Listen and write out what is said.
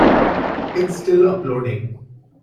It’s still uploading.